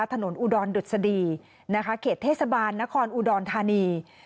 บนพิจารณีทราบถนนอูดรดรษดีเขตเทศบาลนขอนอูดรทานี